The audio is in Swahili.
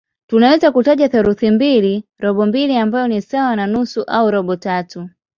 Tunaweza kutaja theluthi mbili, robo mbili ambayo ni sawa na nusu au robo tatu.